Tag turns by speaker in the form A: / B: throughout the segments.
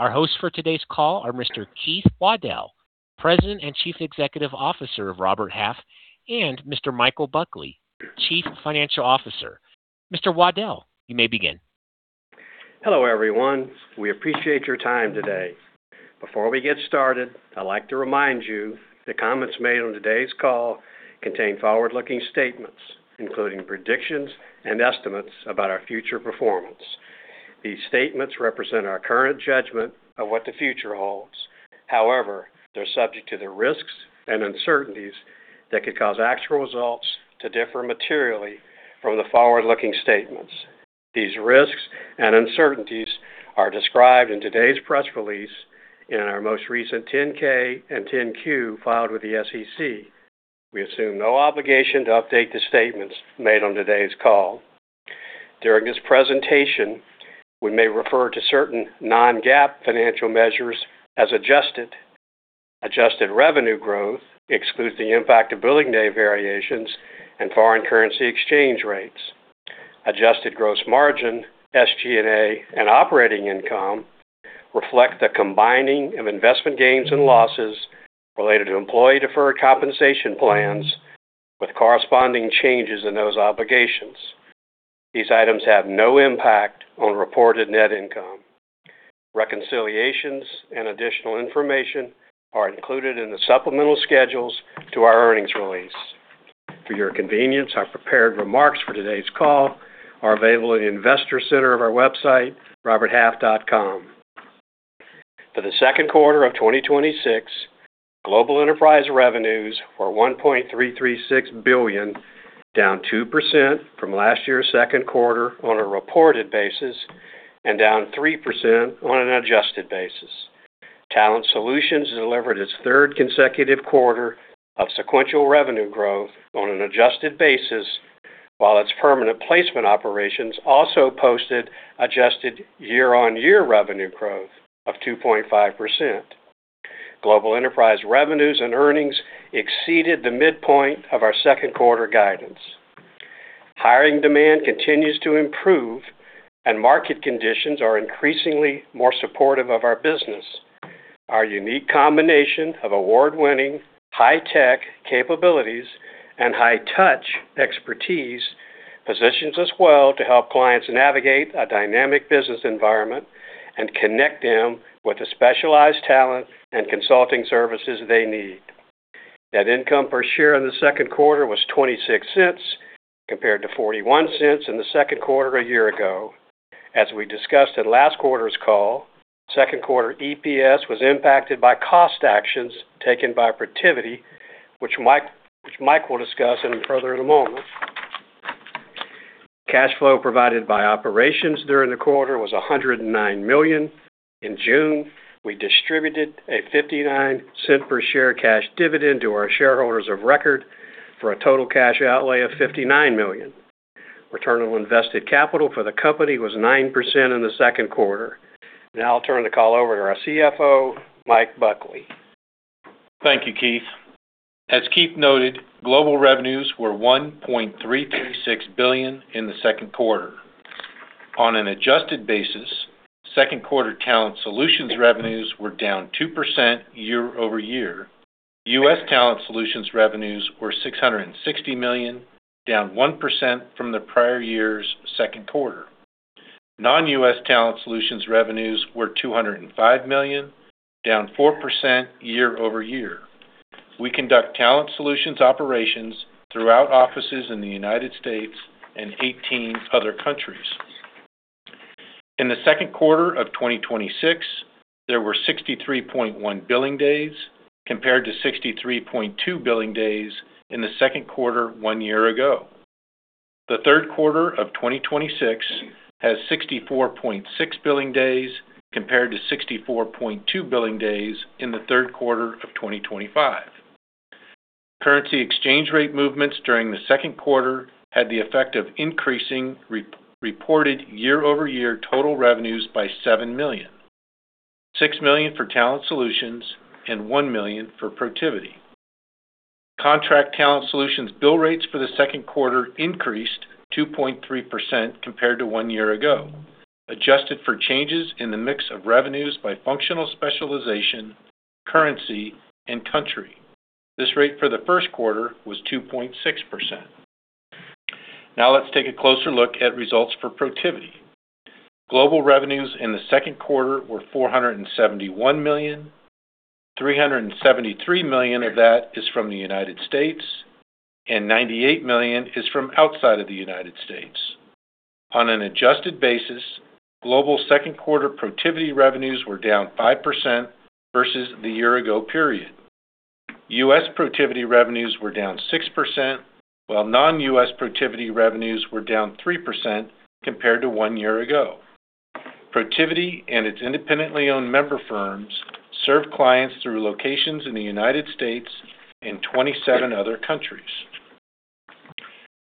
A: Our hosts for today's call are Mr. Keith Waddell, President and Chief Executive Officer of Robert Half, and Mr. Michael Buckley, Chief Financial Officer. Mr. Waddell, you may begin.
B: Hello, everyone. We appreciate your time today. Before we get started, I'd like to remind you that comments made on today's call contain forward-looking statements, including predictions and estimates about our future performance. These statements represent our current judgment of what the future holds. However, they're subject to the risks and uncertainties that could cause actual results to differ materially from the forward-looking statements. These risks and uncertainties are described in today's press release in our most recent 10-K and 10-Q filed with the SEC. We assume no obligation to update the statements made on today's call. During this presentation, we may refer to certain non-GAAP financial measures as adjusted. Adjusted revenue growth excludes the impact of billing day variations and foreign currency exchange rates. Adjusted gross margin, SG&A, and operating income reflect the combining of investment gains and losses related to employee-deferred compensation plans with corresponding changes in those obligations. These items have no impact on reported net income. Reconciliations and additional information are included in the supplemental schedules to our earnings release. For your convenience, our prepared remarks for today's call are available in the Investor Center of our website, roberthalf.com. For the second quarter of 2026, Global Enterprise revenues were $1.336 billion, down 2% from last year's second quarter on a reported basis and down 3% on an adjusted basis. Talent Solutions delivered its third consecutive quarter of sequential revenue growth on an adjusted basis, while its Permanent Placement operations also posted adjusted year-on-year revenue growth of 2.5%. Global Enterprise revenues and earnings exceeded the midpoint of our second quarter guidance. Hiring demand continues to improve, market conditions are increasingly more supportive of our business. Our unique combination of award-winning, high-tech capabilities and high-touch expertise positions us well to help clients navigate a dynamic business environment and connect them with the specialized talent and consulting services they need. Net income per share in the second quarter was $0.26, compared to $0.41 in the second quarter a year ago. As we discussed at last quarter's call, second quarter EPS was impacted by cost actions taken by Protiviti, which Mike will discuss further in a moment. Cash flow provided by operations during the quarter was $109 million. In June, we distributed a $0.59 per share cash dividend to our shareholders of record for a total cash outlay of $59 million. Return on invested capital for the company was 9% in the second quarter. I'll turn the call over to our CFO, Mike Buckley.
C: Thank you, Keith. As Keith noted, global revenues were $1.336 billion in the second quarter. On an adjusted basis, second quarter Talent Solutions revenues were down 2% year-over-year. U.S. Talent Solutions revenues were $660 million, down 1% from the prior year's second quarter. Non-U.S. Talent Solutions revenues were $205 million, down 4% year-over-year. We conduct Talent Solutions operations throughout offices in the United States and 18 other countries. In the second quarter of 2026, there were 63.1 billing days, compared to 63.2 billing days in the second quarter one year ago. The third quarter of 2026 has 64.6 billing days, compared to 64.2 billing days in the third quarter of 2025. Currency exchange rate movements during the second quarter had the effect of increasing reported year-over-year total revenues by $7 million, $6 million for Talent Solutions and $1 million for Protiviti. Contract Talent Solutions bill rates for the second quarter increased 2.3% compared to one year ago, adjusted for changes in the mix of revenues by functional specialization, currency, and country. This rate for the first quarter was 2.6%. Let's take a closer look at results for Protiviti. Global revenues in the second quarter were $471 million, $373 million of that is from the United States, and $98 million is from outside of the United States. On an adjusted basis, global second quarter Protiviti revenues were down 5% versus the year ago period. U.S. Protiviti revenues were down 6%, while non-U.S. Protiviti revenues were down 3% compared to one year ago. Protiviti and its independently owned member firms serve clients through locations in the United States and 27 other countries.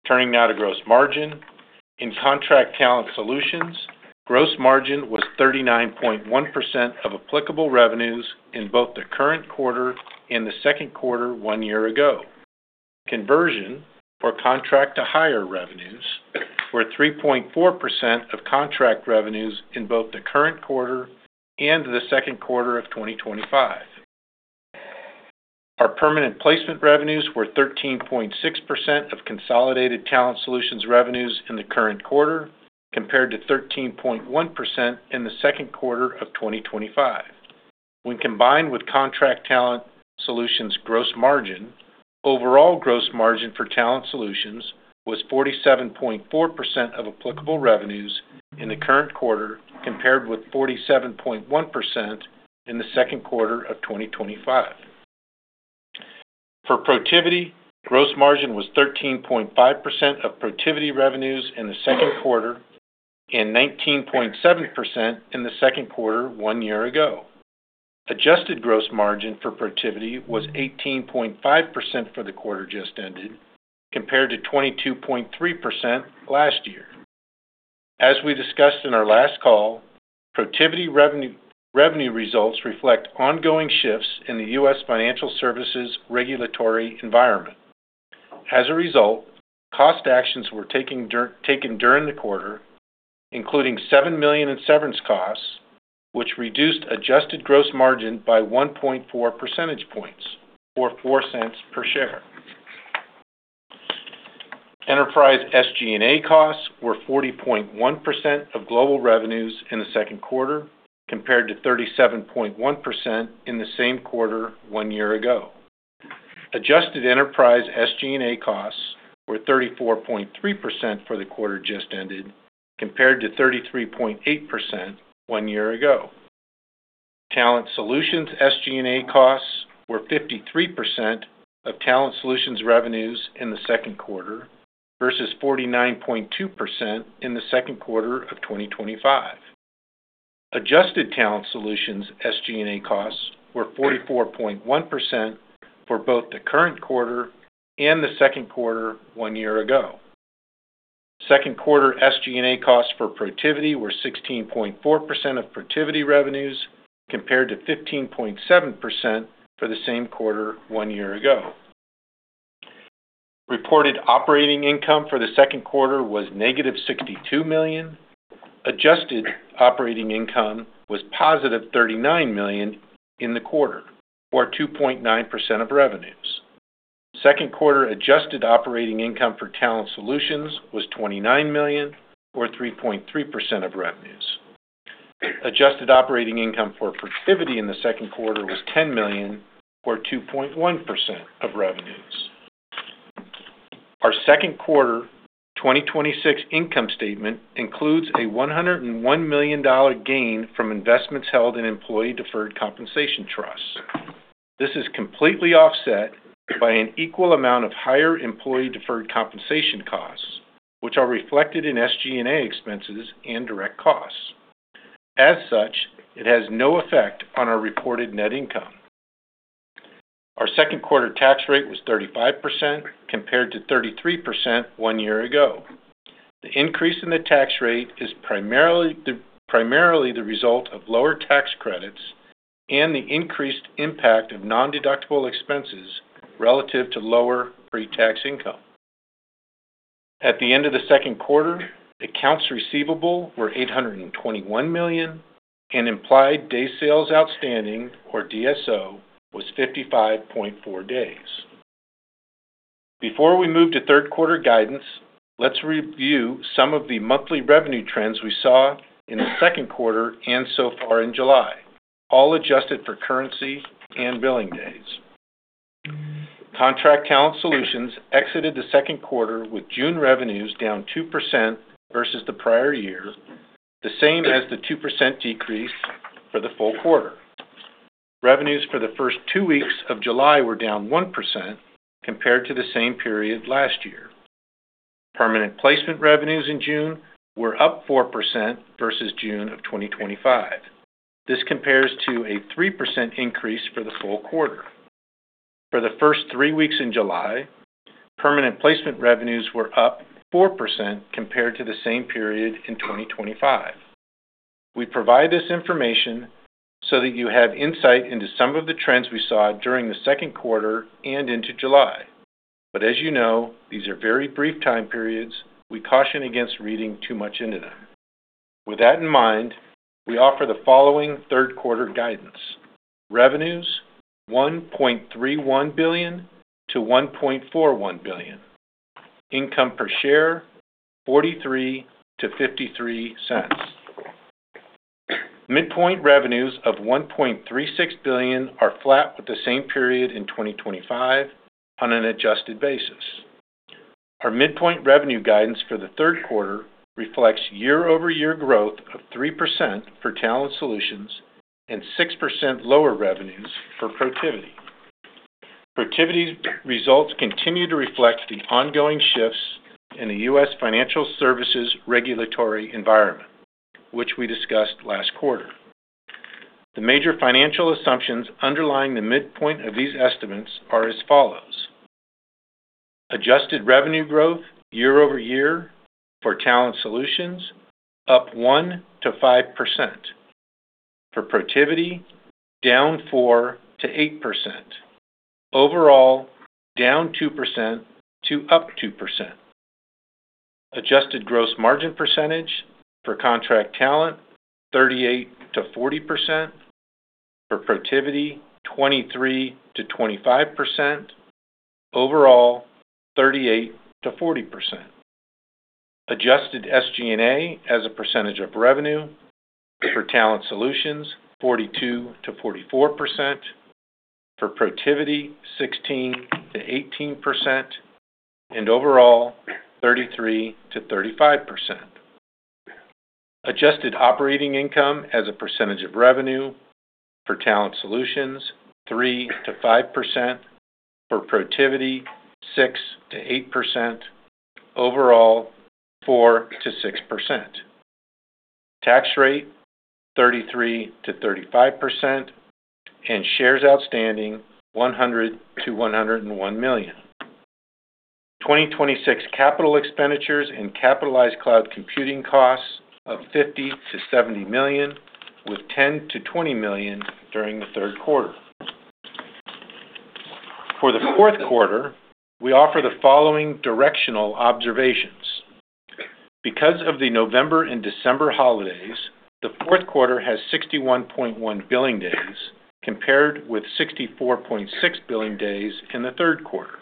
C: Turning to gross margin. In Contract Talent Solutions, gross margin was 39.1% of applicable revenues in both the current quarter and the second quarter one year ago. Conversion or contract-to-hire revenues were 3.4% of contract revenues in both the current quarter and the second quarter of 2025. Our Permanent Placement revenues were 13.6% of consolidated Talent Solutions revenues in the current quarter, compared to 13.1% in the second quarter of 2025. When combined with Contract Talent Solutions' gross margin, overall gross margin for Talent Solutions was 47.4% of applicable revenues in the current quarter, compared with 47.1% in the second quarter of 2025. For Protiviti, gross margin was 13.5% of Protiviti revenues in the second quarter and 19.7% in the second quarter one year ago. Adjusted gross margin for Protiviti was 18.5% for the quarter just ended, compared to 22.3% last year. As we discussed in our last call, Protiviti revenue results reflect ongoing shifts in the U.S. financial services regulatory environment. As a result, cost actions were taken during the quarter, including $7 million in severance costs, which reduced adjusted gross margin by 1.4 percentage points or $0.04 per share. Enterprise SG&A costs were 40.1% of global revenues in the second quarter, compared to 37.1% in the same quarter one year ago. Adjusted enterprise SG&A costs were 34.3% for the quarter just ended, compared to 33.8% one year ago. Talent Solutions SG&A costs were 53% of Talent Solutions revenues in the second quarter versus 49.2% in the second quarter of 2025. Adjusted Talent Solutions SG&A costs were 44.1% for both the current quarter and the second quarter one year ago. Second quarter SG&A costs for Protiviti were 16.4% of Protiviti revenues, compared to 15.7% for the same quarter one year ago. Reported operating income for the second quarter was negative $62 million. Adjusted operating income was positive $39 million in the quarter, or 2.9% of revenues. Second quarter adjusted operating income for Talent Solutions was $29 million or 3.3% of revenues. Adjusted operating income for Protiviti in the second quarter was $10 million or 2.1% of revenues. Our second quarter 2026 income statement includes a $101 million gain from investments held in employee-deferred compensation trusts. It has no effect on our reported net income. Our second quarter tax rate was 35% compared to 33% one year ago. The increase in the tax rate is primarily the result of lower tax credits and the increased impact of nondeductible expenses relative to lower pre-tax income. At the end of the second quarter, accounts receivable were $821 million and implied day sales outstanding, or DSO, was 55.4 days. Before we move to third quarter guidance, let's review some of the monthly revenue trends we saw in the second quarter and so far in July, all adjusted for currency and billing days. Contract Talent Solutions exited the second quarter with June revenues down 2% versus the prior year, the same as the 2% decrease for the full quarter. Revenues for the first two weeks of July were down 1% compared to the same period last year. Permanent Placement revenues in June were up 4% versus June of 2025. This compares to a 3% increase for the full quarter. For the first three weeks in July, Permanent Placement revenues were up 4% compared to the same period in 2025. We provide this information so that you have insight into some of the trends we saw during the second quarter and into July. As you know, these are very brief time periods. We caution against reading too much into them. With that in mind, we offer the following third quarter guidance. Revenues, $1.31 billion-$1.41 billion. Income per share, $0.43 to $0.53. Midpoint revenues of $1.36 billion are flat with the same period in 2025 on an adjusted basis. Our midpoint revenue guidance for the third quarter reflects year-over-year growth of 3% for Talent Solutions and 6% lower revenues for Protiviti. Protiviti's results continue to reflect the ongoing shifts in the U.S. financial services regulatory environment, which we discussed last quarter. The major financial assumptions underlying the midpoint of these estimates are as follows. Adjusted revenue growth year-over-year for Talent Solutions up 1%-5%. For Protiviti, down 4%-8%. Overall, down 2% to up 2%. Adjusted gross margin percentage for Contract Talent Solutions 38%-40%. For Protiviti, 23%-25%. Overall, 38%-40%. Adjusted SG&A as a percentage of revenue. For Talent Solutions, 42%-44%. For Protiviti, 16%-18%. Overall, 33%-35%. Adjusted operating income as a percentage of revenue. For Talent Solutions, 3%-5%. For Protiviti, 6%-8%. Overall, 4%-6%. Tax rate, 33%-35%. Shares outstanding, 100 million-101 million. 2026 capital expenditures and capitalized cloud computing costs of $50 million-$70 million with $10 million-$20 million during the third quarter. For the fourth quarter, we offer the following directional observations. Because of the November and December holidays, the fourth quarter has 61.1 billing days compared with 64.6 billing days in the third quarter,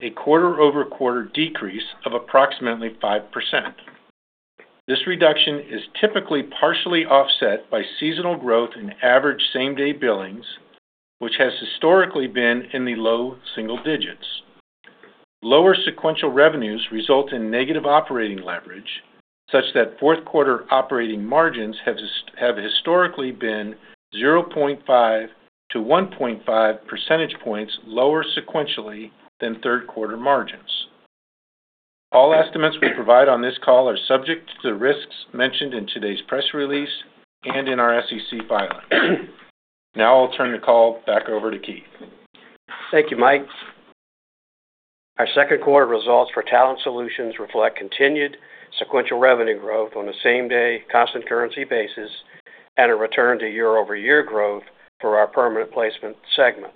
C: a quarter-over-quarter decrease of approximately 5%. This reduction is typically partially offset by seasonal growth in average same-day billings, which has historically been in the low single digits. Lower sequential revenues result in negative operating leverage such that fourth quarter operating margins have historically been 0.5-1.5 percentage points lower sequentially than third-quarter margins. All estimates we provide on this call are subject to the risks mentioned in today's press release and in our SEC filing. I'll turn the call back over to Keith.
B: Thank you, Mike. Our second quarter results for Talent Solutions reflect continued sequential revenue growth on a same-day constant currency basis and a return to year-over-year growth for our Permanent Placement segment.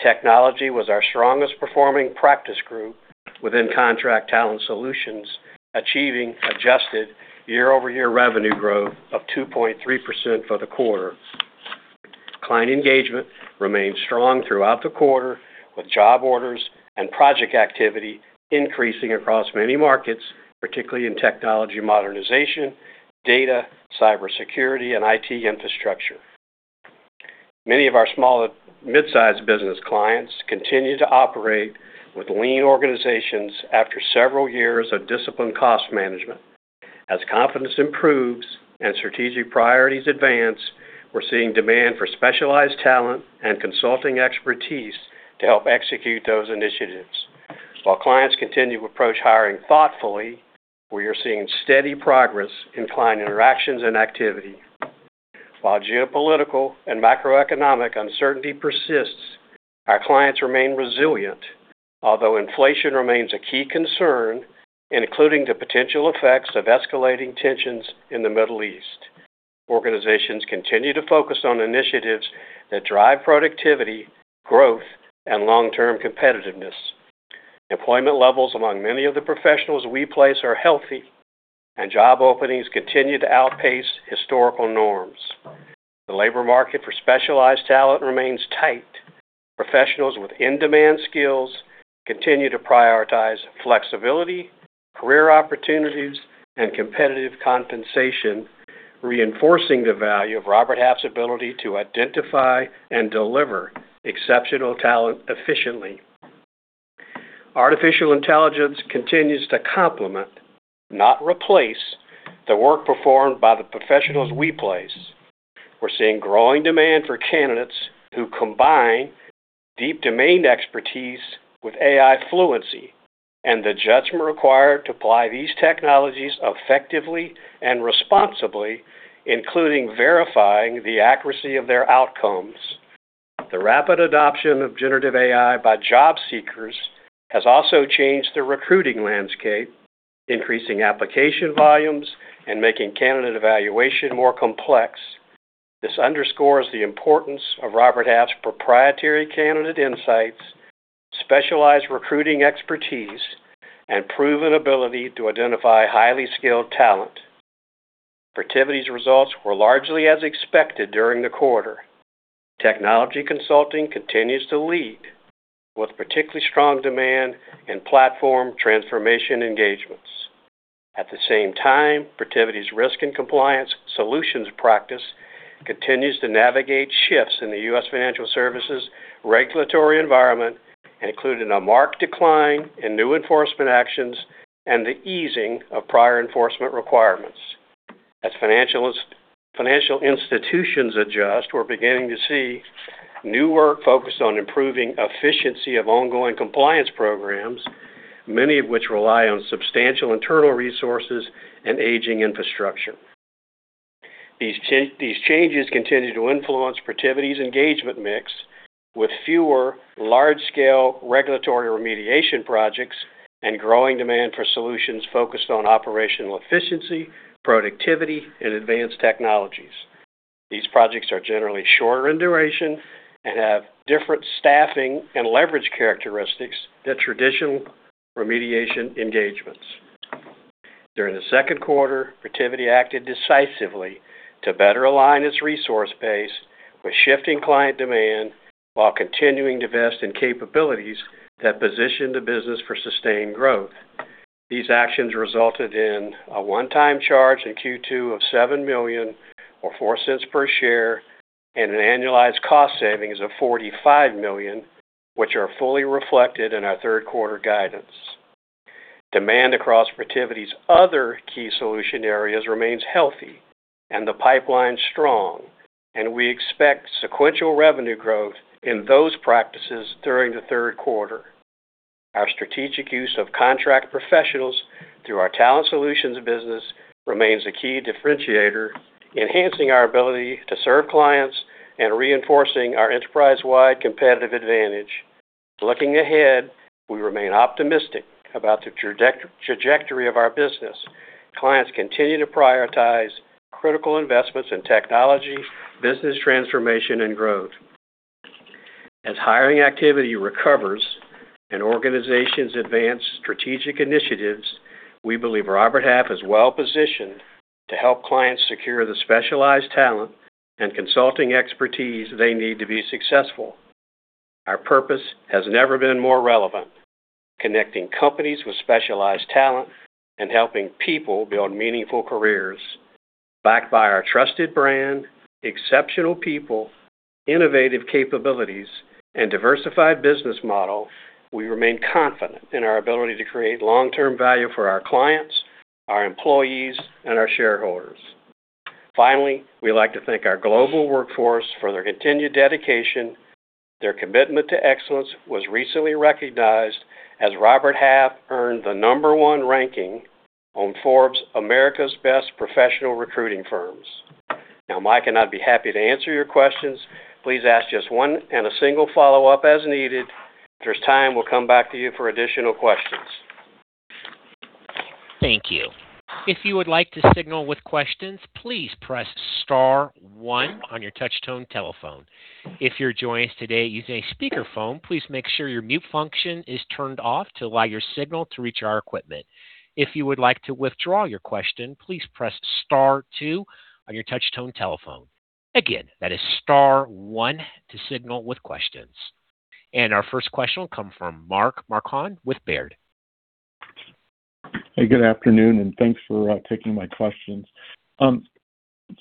B: Technology was our strongest performing practice group within Contract Talent Solutions, achieving adjusted year-over-year revenue growth of 2.3% for the quarter. Client engagement remained strong throughout the quarter, with job orders and project activity increasing across many markets, particularly in technology modernization, data, cybersecurity, and IT infrastructure. Many of our small midsize business clients continue to operate with lean organizations after several years of disciplined cost management. As confidence improves and strategic priorities advance, we're seeing demand for specialized talent and consulting expertise to help execute those initiatives. While clients continue to approach hiring thoughtfully, we are seeing steady progress in client interactions and activity. While geopolitical and macroeconomic uncertainty persists, our clients remain resilient, although inflation remains a key concern, including the potential effects of escalating tensions in the Middle East. Organizations continue to focus on initiatives that drive productivity, growth, and long-term competitiveness. Employment levels among many of the professionals we place are healthy, and job openings continue to outpace historical norms. The labor market for specialized talent remains tight. Professionals with in-demand skills continue to prioritize flexibility, career opportunities, and competitive compensation, reinforcing the value of Robert Half's ability to identify and deliver exceptional talent efficiently. Artificial intelligence continues to complement, not replace, the work performed by the professionals we place. We're seeing growing demand for candidates who combine deep domain expertise with AI fluency and the judgment required to apply these technologies effectively and responsibly, including verifying the accuracy of their outcomes. The rapid adoption of generative AI by job seekers has also changed the recruiting landscape, increasing application volumes and making candidate evaluation more complex. This underscores the importance of Robert Half's proprietary candidate insights, specialized recruiting expertise, and proven ability to identify highly skilled talent. Protiviti's results were largely as expected during the quarter. Technology consulting continues to lead, with particularly strong demand in platform transformation engagements. At the same time, Protiviti's Risk and Compliance Solutions practice continues to navigate shifts in the U.S. financial services regulatory environment, including a marked decline in new enforcement actions and the easing of prior enforcement requirements. As financial institutions adjust, we're beginning to see new work focused on improving efficiency of ongoing compliance programs, many of which rely on substantial internal resources and aging infrastructure. These changes continue to influence Protiviti's engagement mix with fewer large-scale regulatory remediation projects and growing demand for solutions focused on operational efficiency, productivity, and advanced technologies. These projects are generally shorter in duration and have different staffing and leverage characteristics than traditional remediation engagements. During the second quarter, Protiviti acted decisively to better align its resource base with shifting client demand while continuing to invest in capabilities that position the business for sustained growth. These actions resulted in a one-time charge in Q2 of $7 million or $0.04 per share and an annualized cost savings of $45 million, which are fully reflected in our third quarter guidance. We expect sequential revenue growth in those practices during the third quarter. Our strategic use of contract professionals through our Talent Solutions business remains a key differentiator, enhancing our ability to serve clients and reinforcing our enterprise-wide competitive advantage. Looking ahead, we remain optimistic about the trajectory of our business. Clients continue to prioritize critical investments in technology, business transformation, and growth. As hiring activity recovers and organizations advance strategic initiatives, we believe Robert Half is well-positioned to help clients secure the specialized talent and consulting expertise they need to be successful. Our purpose has never been more relevant: connecting companies with specialized talent and helping people build meaningful careers. Backed by our trusted brand, exceptional people, innovative capabilities, and diversified business model, we remain confident in our ability to create long-term value for our clients, our employees, and our shareholders. Finally, we'd like to thank our global workforce for their continued dedication. Their commitment to excellence was recently recognized as Robert Half earned the number one ranking on Forbes America's Best Professional Recruiting Firms. Now, Mike and I'd be happy to answer your questions. Please ask just one and a single follow-up as needed. If there's time, we'll come back to you for additional questions.
A: Thank you. If you would like to signal with questions, please press star one on your touchtone telephone. If you're joining us today using a speakerphone, please make sure your mute function is turned off to allow your signal to reach our equipment. If you would like to withdraw your question, please press star two on your touchtone telephone. Again, that is star one to signal with questions. Our first question will come from Mark Marcon with Baird.
D: Good afternoon, thanks for taking my questions.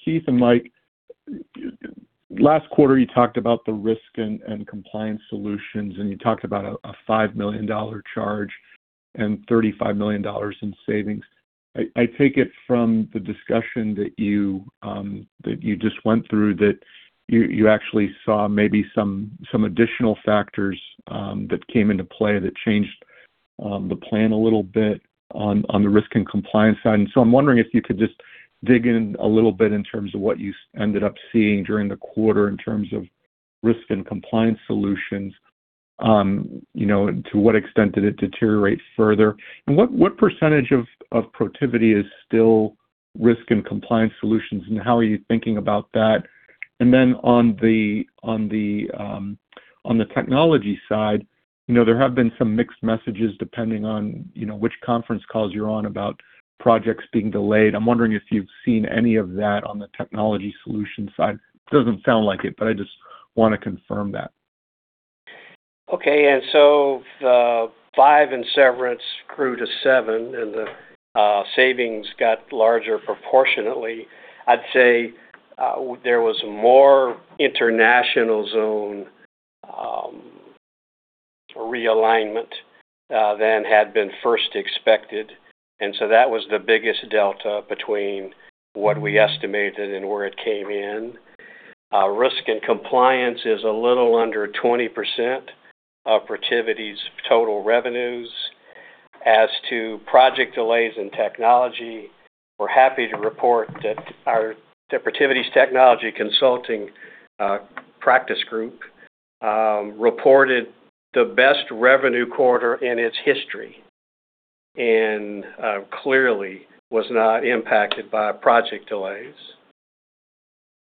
D: Keith and Mike, last quarter you talked about the Risk and Compliance Solutions, you talked about a $5 million charge and $35 million in savings. I take it from the discussion that you just went through that you actually saw maybe some additional factors that came into play that changed the plan a little bit on the Risk and Compliance side. I'm wondering if you could just dig in a little bit in terms of what you ended up seeing during the quarter in terms of Risk and Compliance Solutions. To what extent did it deteriorate further? What percentage of Protiviti is still Risk and Compliance Solutions, and how are you thinking about that? On the technology side, there have been some mixed messages depending on which conference calls you're on about projects being delayed. I'm wondering if you've seen any of that on the technology solutions side. It doesn't sound like it, I just want to confirm that.
B: Okay. The five in severance grew to seven, the savings got larger proportionately. I'd say there was more international zone realignment than had been first expected, that was the biggest delta between what we estimated and where it came in. Risk and Compliance is a little under 20% of Protiviti's total revenues. As to project delays in technology, we're happy to report that Protiviti's technology consulting practice group reported the best revenue quarter in its history and clearly was not impacted by project delays.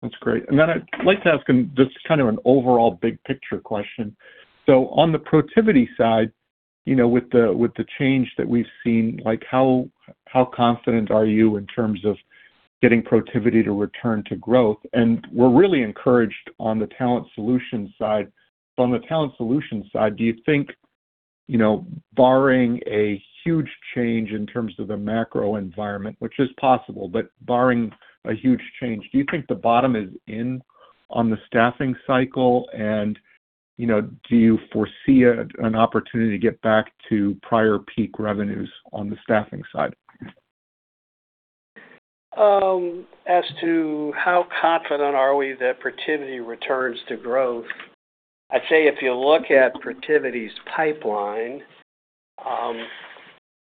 D: That's great. I'd like to ask them, this is kind of an overall big picture question. On the Protiviti side, with the change that we've seen, how confident are you in terms of getting Protiviti to return to growth? We're really encouraged on the Talent Solutions side. On the Talent Solutions side, do you think, barring a huge change in terms of the macro environment, which is possible, but barring a huge change, do you think the bottom is in on the staffing cycle, and do you foresee an opportunity to get back to prior peak revenues on the staffing side?
B: As to how confident are we that Protiviti returns to growth, I'd say if you look at Protiviti's pipeline.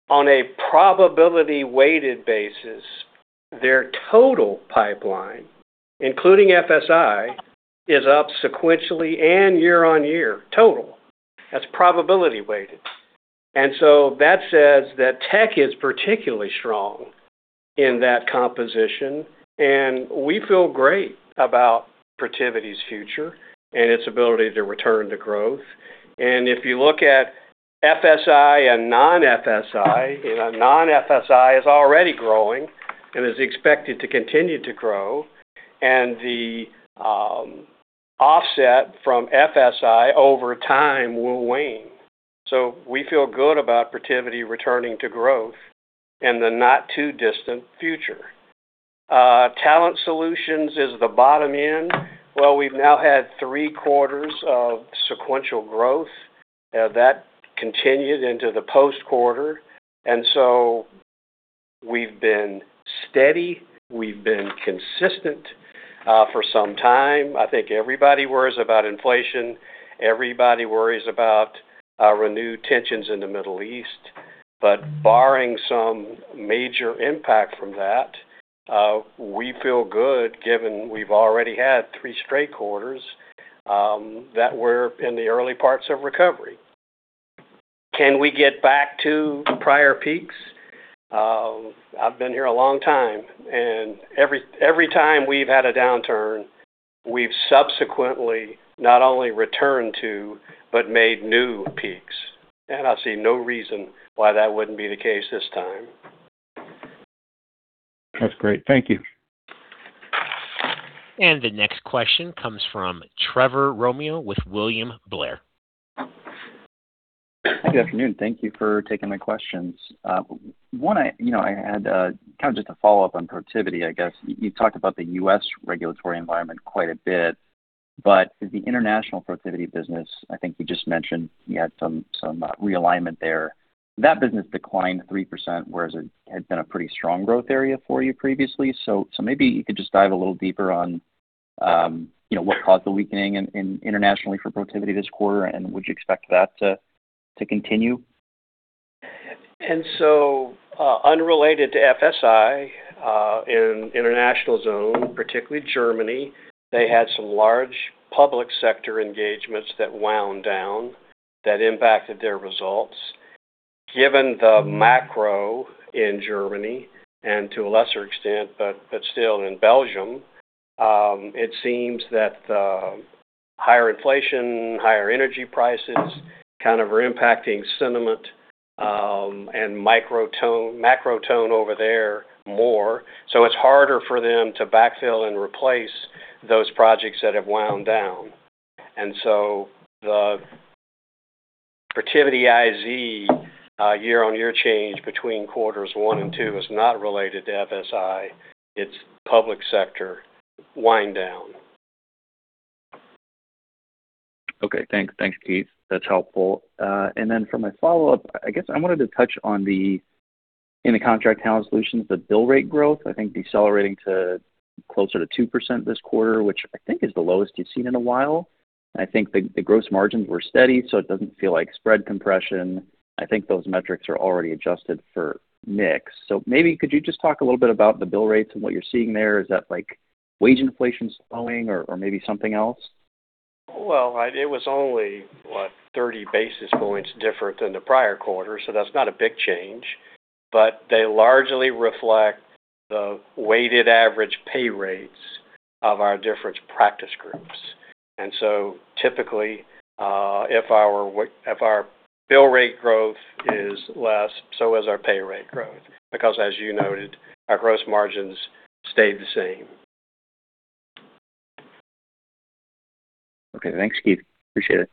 B: On a probability weighted basis, their total pipeline, including FSI, is up sequentially and year-on-year total. That's probability weighted. That says that tech is particularly strong in that composition, and we feel great about Protiviti's future and its ability to return to growth. If you look at FSI and non-FSI, non-FSI is already growing and is expected to continue to grow, and the offset from FSI over time will wane. We feel good about Protiviti returning to growth in the not too distant future. Talent Solutions is the bottom end. Well, we've now had three quarters of sequential growth. That continued into the post quarter, we've been steady, we've been consistent for some time. I think everybody worries about inflation, everybody worries about renewed tensions in the Middle East. Barring some major impact from that, we feel good given we've already had three straight quarters that were in the early parts of recovery. Can we get back to prior peaks? I've been here a long time, every time we've had a downturn, we've subsequently not only returned to, but made new peaks, I see no reason why that wouldn't be the case this time.
D: That's great. Thank you.
A: The next question comes from Trevor Romeo with William Blair.
E: Good afternoon. Thank you for taking my questions. One I had kind of just a follow-up on Protiviti I guess. You talked about the U.S. regulatory environment quite a bit, but the international Protiviti business, I think you just mentioned you had some realignment there. That business declined 3%, whereas it had been a pretty strong growth area for you previously. Maybe you could just dive a little deeper on what caused the weakening internationally for Protiviti this quarter, and would you expect that to continue?
B: Unrelated to FSI, in international zone, particularly Germany, they had some large public sector engagements that wound down that impacted their results. Given the macro in Germany, and to a lesser extent, but still in Belgium, it seems that the higher inflation, higher energy prices kind of are impacting sentiment and macro tone over there more, so it's harder for them to backfill and replace those projects that have wound down. The Protiviti IZ year-over-year change between quarters one and two is not related to FSI, it's public sector wind down.
E: Okay. Thanks, Keith. That's helpful. For my follow-up, I guess I wanted to touch on the, in the Contract Talent Solutions, the bill rate growth, I think decelerating to closer to 2% this quarter, which I think is the lowest you've seen in a while. I think the gross margins were steady, so it doesn't feel like spread compression. I think those metrics are already adjusted for mix. Maybe could you just talk a little bit about the bill rates and what you're seeing there? Is that wage inflation slowing or maybe something else?
B: It was only 30 basis points different than the prior quarter, so that's not a big change. They largely reflect the weighted average pay rates of our different practice groups. Typically, if our bill rate growth is less, so is our pay rate growth, because as you noted, our gross margins stayed the same.
E: Okay, thanks, Keith. Appreciate it.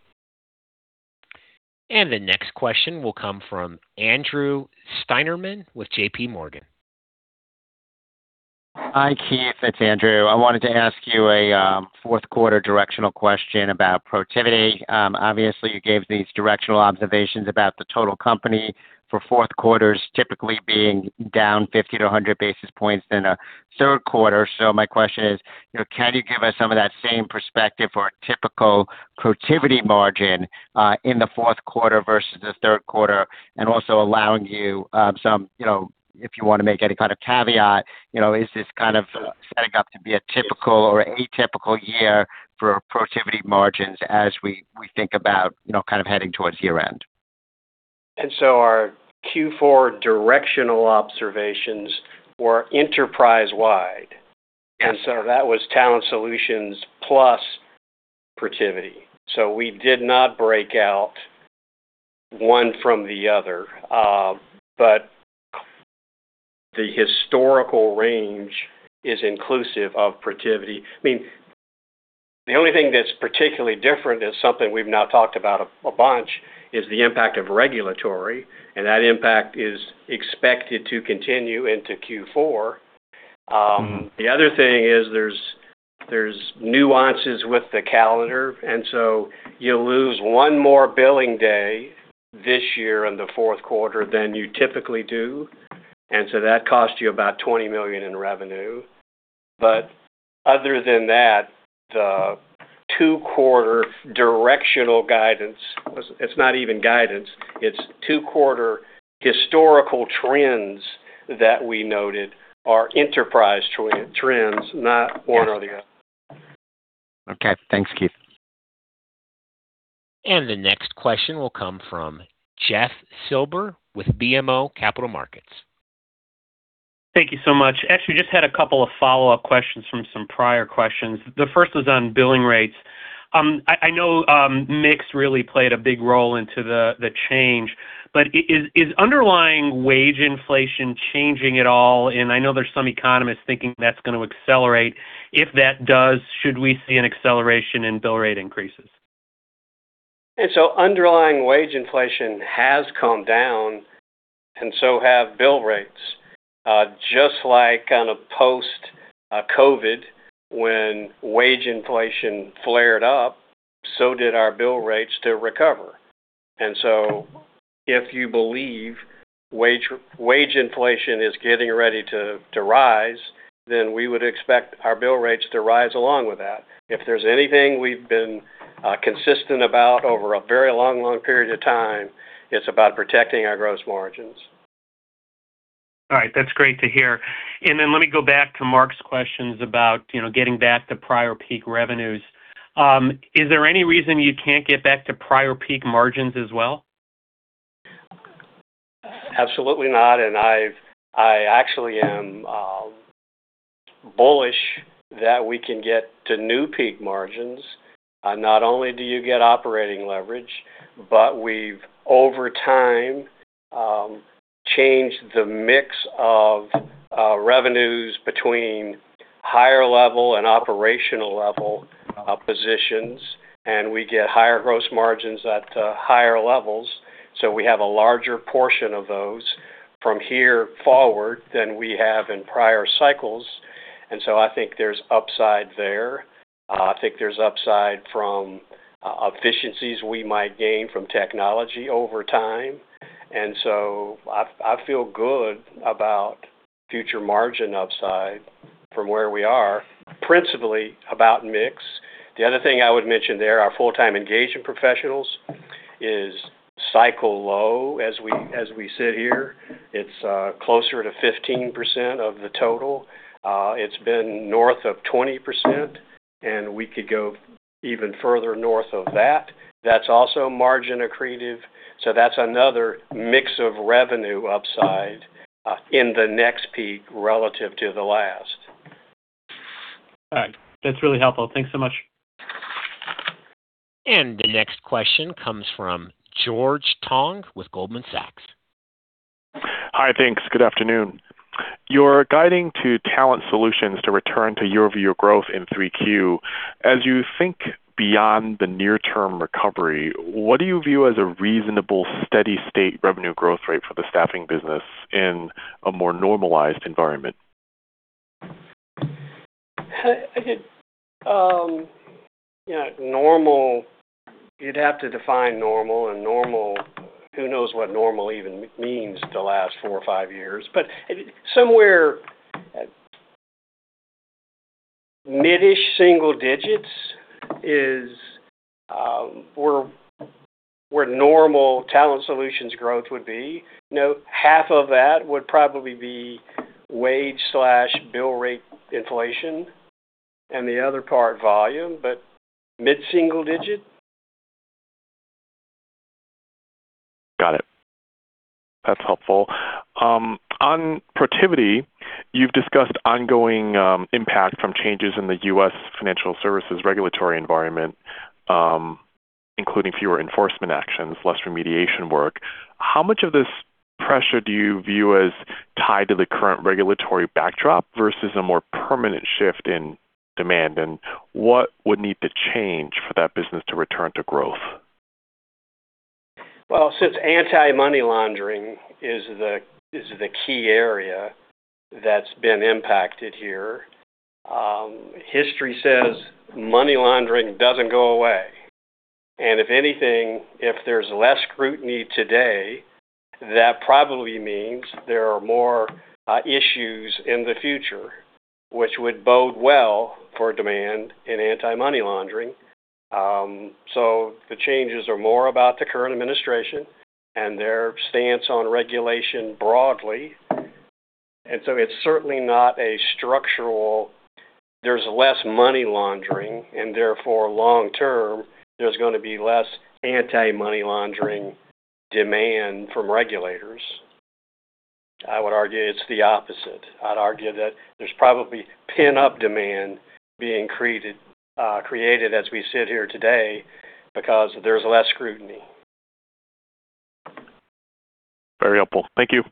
A: The next question will come from Andrew Steinerman with JPMorgan.
F: Hi, Keith, it's Andrew. I wanted to ask you a fourth quarter directional question about Protiviti. Obviously, you gave these directional observations about the total company for fourth quarters typically being down 50 to 100 basis points than a third quarter. My question is, can you give us some of that same perspective for a typical Protiviti margin, in the fourth quarter versus the third quarter? Also allowing you some, if you want to make any kind of caveat, is this kind of setting up to be a typical or atypical year for Protiviti margins as we think about kind of heading towards year-end?
B: Our Q4 directional observations were enterprise-wide, that was Talent Solutions plus Protiviti. We did not break out one from the other. The historical range is inclusive of Protiviti. The only thing that's particularly different is something we've now talked about a bunch, is the impact of regulatory, that impact is expected to continue into Q4. The other thing is there's nuances with the calendar, you lose one more billing day this year in the fourth quarter than you typically do, that cost you about $20 million in revenue. Other than that, the two-quarter directional guidance, it's not even guidance, it's two-quarter historical trends that we noted are enterprise trends, not one or the other.
F: Okay. Thanks, Keith.
A: The next question will come from Jeff Silber with BMO Capital Markets.
G: Thank you so much. Actually, just had a couple of follow-up questions from some prior questions. The first was on billing rates. I know mix really played a big role into the change, but is underlying wage inflation changing at all? I know there's some economists thinking that's going to accelerate. If that does, should we see an acceleration in bill rate increases?
B: Underlying wage inflation has come down and so have bill rates. Just like post-COVID, when wage inflation flared up, so did our bill rates to recover. If you believe wage inflation is getting ready to rise, then we would expect our bill rates to rise along with that. If there's anything we've been consistent about over a very long period of time, it's about protecting our gross margins.
G: All right, that's great to hear. Let me go back to Mark's questions about getting back to prior peak revenues. Is there any reason you can't get back to prior peak margins as well?
B: Absolutely not. I actually am bullish that we can get to new peak margins. Not only do you get operating leverage, but we've, over time, changed the mix of revenues between higher level and operational level positions, and we get higher gross margins at higher levels. We have a larger portion of those from here forward than we have in prior cycles. I think there's upside there. I think there's upside from efficiencies we might gain from technology over time. I feel good about future margin upside from where we are, principally about mix. The other thing I would mention there, our full-time engagement professionals is cycle low as we sit here. It's closer to 15% of the total. It's been north of 20%, and we could go even further north of that. That's also margin accretive. That's another mix of revenue upside in the next peak relative to the last.
G: All right. That's really helpful. Thanks so much.
A: The next question comes from George Tong with Goldman Sachs.
H: Hi, thanks. Good afternoon. You're guiding to Talent Solutions to return to year-over-year growth in three Q. As you think beyond the near-term recovery, what do you view as a reasonable, steady state revenue growth rate for the staffing business in a more normalized environment?
B: Normal, you'd have to define normal, and who knows what normal even means the last four or five years. Somewhere mid-ish single digits is where normal Talent Solutions growth would be. Half of that would probably be wage/bill rate inflation and the other part volume, but mid-single digit.
H: Got it. That's helpful. On Protiviti, you've discussed ongoing impact from changes in the U.S. financial services regulatory environment, including fewer enforcement actions, less remediation work. How much of this pressure do you view as tied to the current regulatory backdrop versus a more permanent shift in demand, and what would need to change for that business to return to growth?
B: Since anti-money laundering is the key area that's been impacted here, history says money laundering doesn't go away. If anything, if there's less scrutiny today, that probably means there are more issues in the future, which would bode well for demand in anti-money laundering. The changes are more about the current administration and their stance on regulation broadly. It's certainly not a structural, there's less money laundering, and therefore, long term, there's going to be less anti-money laundering demand from regulators. I would argue it's the opposite. I'd argue that there's probably pent-up demand being created as we sit here today because there's less scrutiny.
H: Very helpful. Thank you.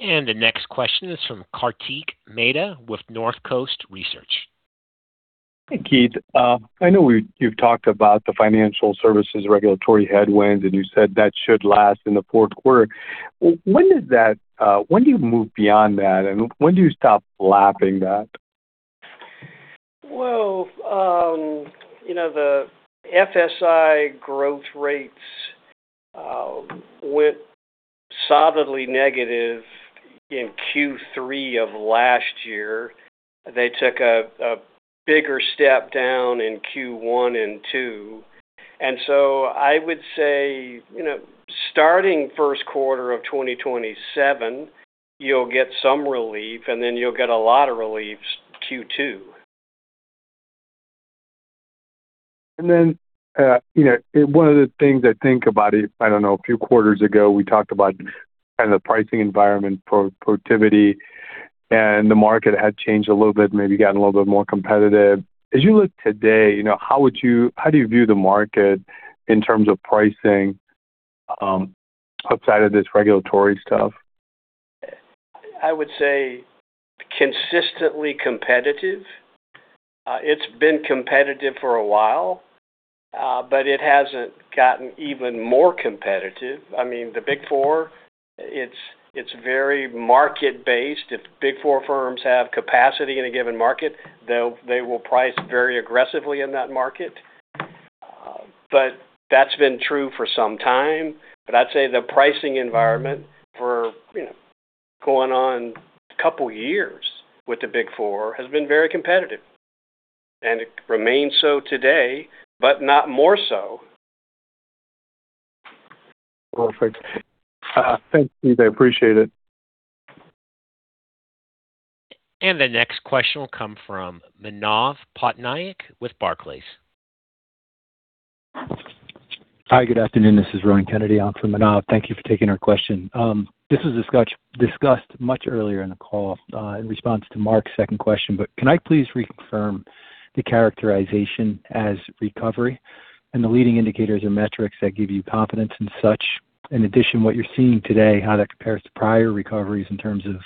A: The next question is from Kartik Mehta with Northcoast Research.
I: Hey, Keith. I know you've talked about the financial services regulatory headwinds. You said that should last in the fourth quarter. When do you move beyond that, and when do you stop lapping that?
B: Well, the FSI growth rates went solidly negative in Q3 of last year. They took a bigger step down in Q1 and 2. I would say, starting first quarter of 2027, you'll get some relief, and then you'll get a lot of relief Q2.
I: One of the things I think about, I don't know, a few quarters ago, we talked about kind of the pricing environment Protiviti, and the market had changed a little bit, maybe gotten a little bit more competitive. As you look today, how do you view the market in terms of pricing, outside of this regulatory stuff?
B: I would say consistently competitive. It's been competitive for a while, but it hasn't gotten even more competitive. I mean, the Big Four, it's very market-based. If Big Four firms have capacity in a given market, they will price very aggressively in that market. That's been true for some time. I'd say the pricing environment for going on a couple of years with the Big Four has been very competitive, and it remains so today, but not more so.
I: Perfect. Thanks, Keith. I appreciate it.
A: The next question will come from Manav Patnaik with Barclays.
J: Hi. Good afternoon. This is Ronan Kennedy on for Manav. Thank you for taking our question. This was discussed much earlier in the call, in response to Mark's second question, but can I please reconfirm the characterization as recovery and the leading indicators or metrics that give you confidence in such? In addition, what you're seeing today, how that compares to prior recoveries in terms of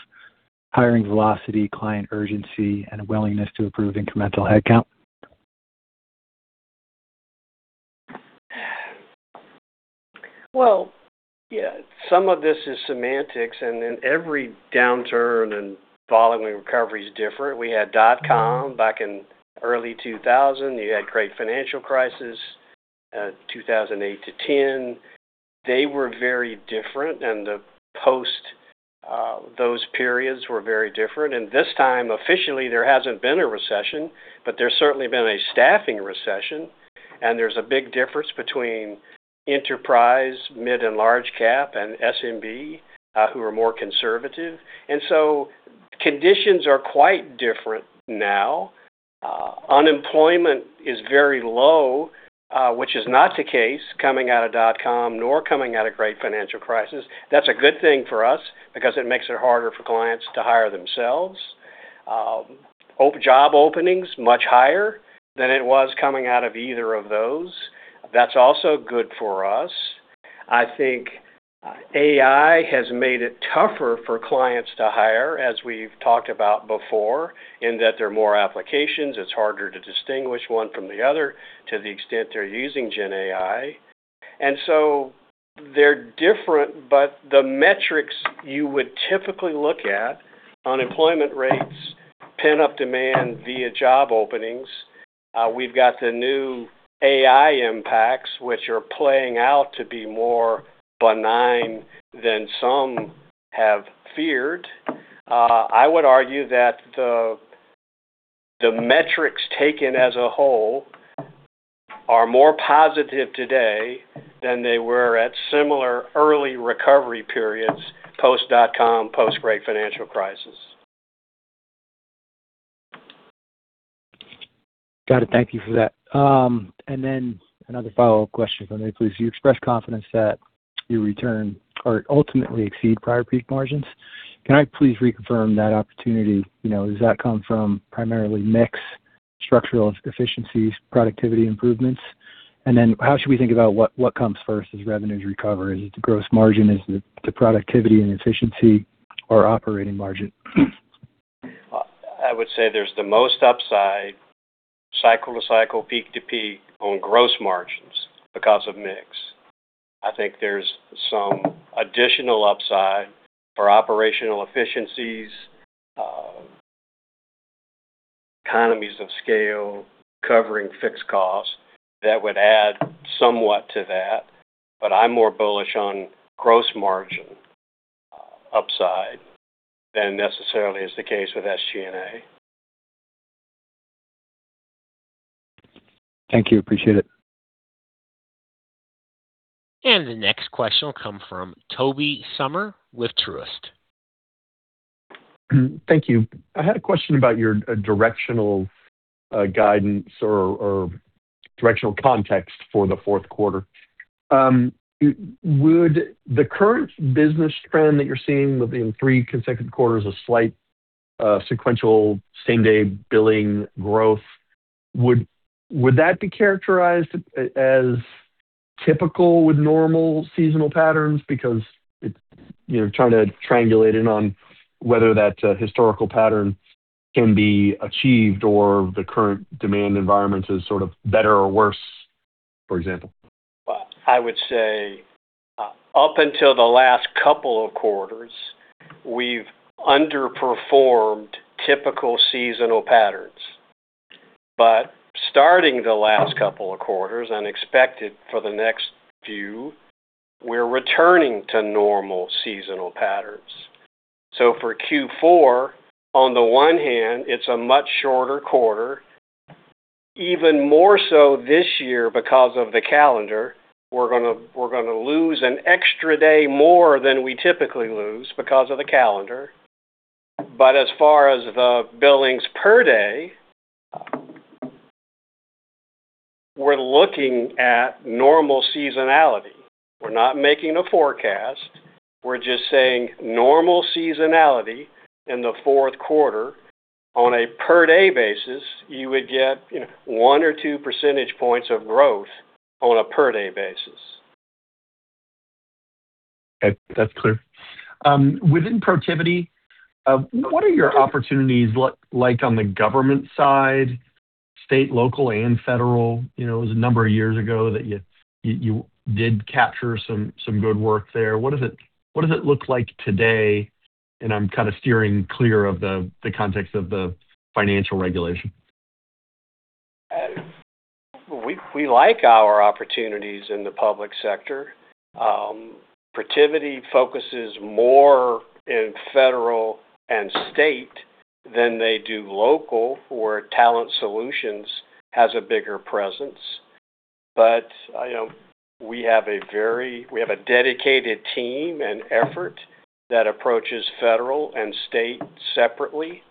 J: hiring velocity, client urgency, and a willingness to approve incremental headcount.
B: Well, yeah, some of this is semantics, and then every downturn and following recovery is different. We had dot-com back in early 2000. You had Great Financial Crisis, 2008 to 2010. They were very different and the post, those periods were very different. This time, officially, there hasn't been a recession, but there's certainly been a staffing recession. There's a big difference between enterprise, mid and large cap, and SMB, who are more conservative. Conditions are quite different now. Unemployment is very low, which is not the case coming out of dot-com nor coming out of Great Financial Crisis. That's a good thing for us because it makes it harder for clients to hire themselves. Job openings much higher than it was coming out of either of those. That's also good for us. I think AI has made it tougher for clients to hire, as we've talked about before, in that there are more applications. It's harder to distinguish one from the other to the extent they're using GenAI. They're different, but the metrics you would typically look at, unemployment rates, pent-up demand via job openings. We've got the new AI impacts, which are playing out to be more benign than some have feared. I would argue that the metrics taken as a whole are more positive today than they were at similar early recovery periods, post dot-com, post great financial crisis.
J: Got it. Thank you for that. Another follow-up question for me, please. You expressed confidence that you return or ultimately exceed prior peak margins. Can I please reconfirm that opportunity? Does that come from primarily mix, structural efficiencies, productivity improvements? How should we think about what comes first as revenues recover? Is it the gross margin? Is it the productivity and efficiency or operating margin?
B: I would say there's the most upside cycle to cycle, peak to peak on gross margins because of mix. I think there's some additional upside for operational efficiencies, economies of scale, covering fixed costs. That would add somewhat to that, but I'm more bullish on gross margin upside than necessarily is the case with SG&A.
J: Thank you. Appreciate it.
A: The next question will come from Tobey Sommer with Truist.
K: Thank you. I had a question about your directional guidance or directional context for the fourth quarter. Would the current business trend that you're seeing within three consecutive quarters of slight sequential same-day billing growth, would that be characterized as typical with normal seasonal patterns? Trying to triangulate in on whether that historical pattern can be achieved or the current demand environment is sort of better or worse, for example.
B: I would say up until the last couple of quarters, we've underperformed typical seasonal patterns. Starting the last couple of quarters, and expected for the next few, we're returning to normal seasonal patterns. For Q4, on the one hand, it's a much shorter quarter. Even more so this year because of the calendar, we're going to lose an extra day more than we typically lose because of the calendar. As far as the billings per day, we're looking at normal seasonality. We're not making a forecast, we're just saying normal seasonality in the fourth quarter. On a per-day basis, you would get one or two percentage points of growth on a per-day basis.
K: Okay. That's clear. Within Protiviti, what are your opportunities look like on the government side, state, local, and federal? It was a number of years ago that you did capture some good work there. What does it look like today? I'm kind of steering clear of the context of the financial regulation.
B: We like our opportunities in the public sector. Protiviti focuses more in federal and state than they do local, where Talent Solutions has a bigger presence. We have a dedicated team and effort that approaches federal and state separately.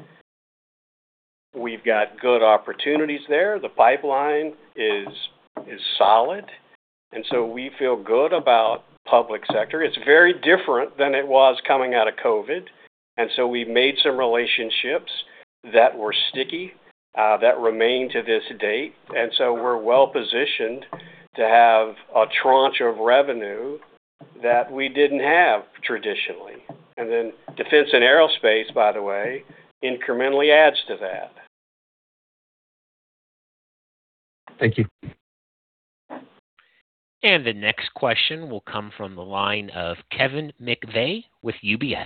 B: We've got good opportunities there. The pipeline is solid, we feel good about public sector. We've made some relationships that were sticky, that remain to this date. We're well-positioned to have a tranche of revenue that we didn't have traditionally. Then defense and aerospace, by the way, incrementally adds to that.
K: Thank you.
A: The next question will come from the line of Kevin McVeigh with UBS.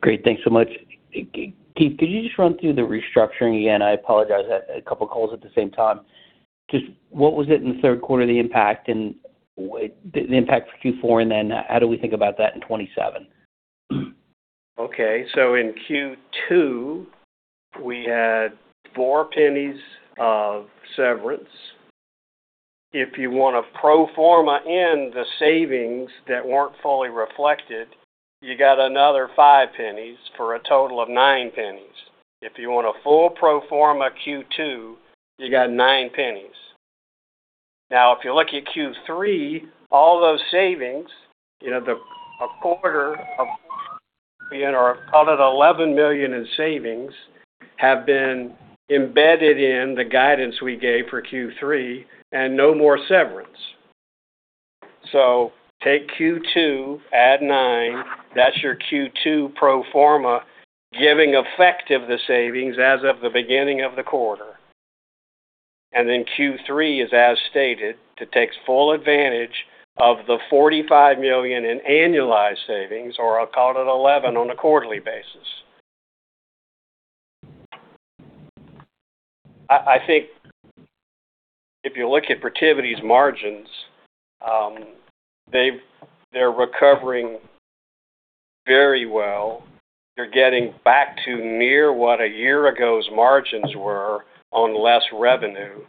L: Great. Thanks so much. Keith, could you just run through the restructuring again? I apologize. I had a couple of calls at the same time. Just what was it in the third quarter, the impact, and the impact for Q4, then how do we think about that in 2027?
B: In Q2, we had $0.04 of severance. If you want to pro forma in the savings that weren't fully reflected, you got another $0.05 for a total of $0.09. If you want a full pro forma Q2, you got $0.09. If you look at Q3, all those savings, a quarter of our called it $11 million in savings, have been embedded in the guidance we gave for Q3, no more severance. Take Q2, add $0.09. That's your Q2 pro forma, giving effect of the savings as of the beginning of the quarter. Q3 is as stated, that takes full advantage of the $45 million in annualized savings, or I'll call it $11 million on a quarterly basis. I think if you look at Protiviti's margins, they're recovering very well. They're getting back to near what a year ago's margins were on less revenue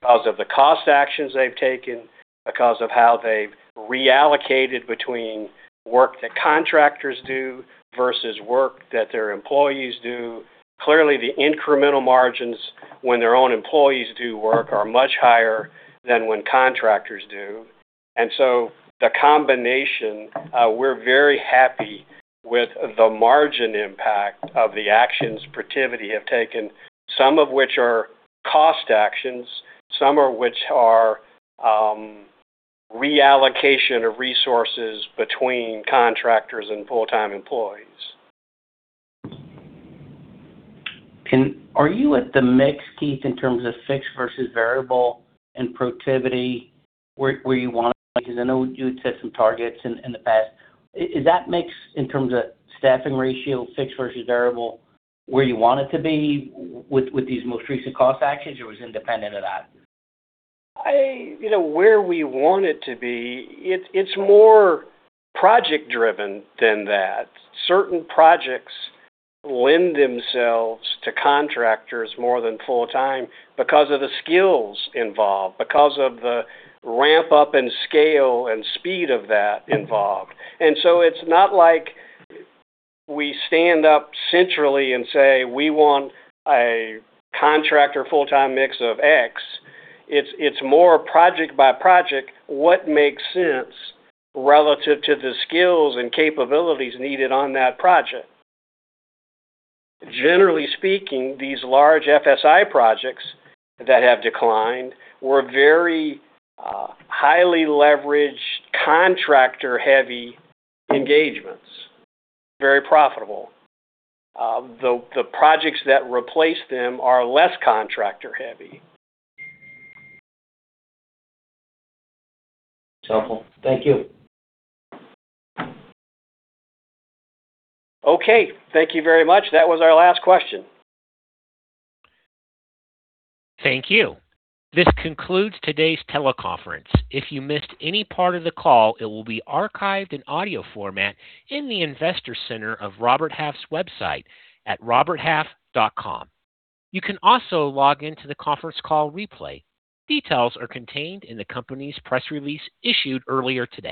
B: because of the cost actions they've taken, because of how they've reallocated between work that contractors do versus work that their employees do. Clearly, the incremental margins when their own employees do work are much higher than when contractors do. The combination, we're very happy with the margin impact of the actions Protiviti have taken, some of which are cost actions, some of which are reallocation of resources between contractors and full-time employees.
L: Are you at the mix, Keith, in terms of fixed versus variable in Protiviti where you want to be? Because I know you had set some targets in the past. Is that mix in terms of staffing ratio, fixed versus variable, where you want it to be with these most recent cost actions, or was it independent of that?
B: Where we want it to be, it's more project-driven than that. Certain projects lend themselves to contractors more than full-time because of the skills involved, because of the ramp-up in scale and speed of that involved. It's not like we stand up centrally and say, "We want a contractor full-time mix of X." It's more project by project, what makes sense relative to the skills and capabilities needed on that project. Generally speaking, these large FSI projects that have declined were very highly leveraged, contractor-heavy engagements. Very profitable. The projects that replaced them are less contractor-heavy.
L: It's helpful. Thank you.
B: Okay. Thank you very much. That was our last question.
A: Thank you. This concludes today's teleconference. If you missed any part of the call, it will be archived in audio format in the Investor Center of Robert Half's website at roberthalf.com. You can also log in to the conference call replay. Details are contained in the company's press release issued earlier today.